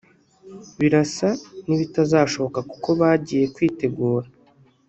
Birasa n’ibitazashoboka kuko bagiye kwitegura